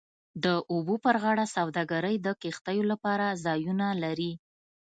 د اوبو پر غاړه سوداګرۍ د کښتیو لپاره ځایونه لري